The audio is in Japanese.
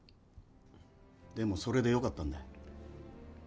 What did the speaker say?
でもそれでよかったんだ。